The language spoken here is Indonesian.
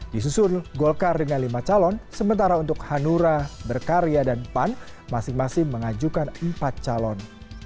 disusul golkar dengan lima calon sementara untuk hanura berkarya dan pan masing masing mengajukan empat calon